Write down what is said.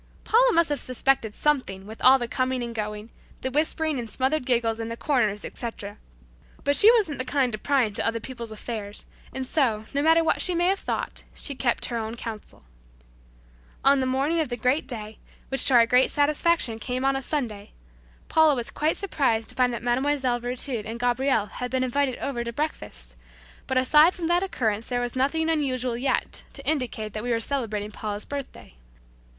Paula must have suspected something with all the coming and going; the whispering and smothered giggles in corners, etc., but she wasn't the kind to pry into other people's affairs, and so, no matter what she may have thought, she kept her own counsel. On the morning of the great day, which to our great satisfaction, came on a Sunday, Paula was quite a bit surprised to find that Mlle. Virtud and Gabriel had been invited over to breakfast; but aside from that occurrence there was nothing unusual as yet to indicate that we were celebrating Paula's birthday.